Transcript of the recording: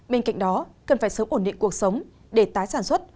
bên cạnh đó cần phải sớm ổn định cuộc sống để tái sản xuất